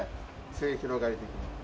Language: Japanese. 末広がり的な。